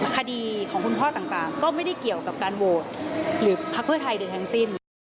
คดีของคุณพ่อต่างก็ไม่ได้เกี่ยวกับการโหวตหรือพักเพื่อไทยใดทั้งสิ้น